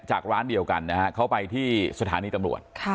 ร้านเดียวกันนะฮะเขาไปที่สถานีตำรวจ